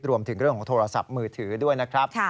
รวมถึงเรื่องของโทรศัพท์มือถือด้วยนะครับ